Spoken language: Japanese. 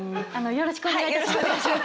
よろしくお願いします。